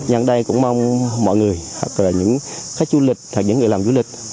dăn đây cũng mong mọi người hoặc là những khách du lịch hoặc những người làm du lịch